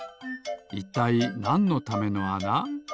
いったいなんのためのあな？